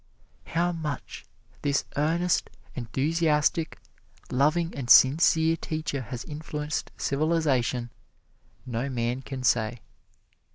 How much this earnest, enthusiastic, loving and sincere teacher has influenced civilization, no man can say.